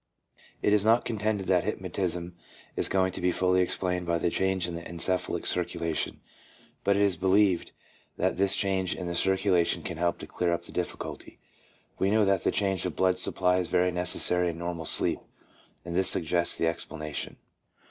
It is not contended that hypnotism is going to be fully explained by the change in the encephalic circulation, but it is believed that this change in the circulation can help to clear up the difficulty. We know that the change of blood supply is very necessary in normal sleep, and this suggests the explanation.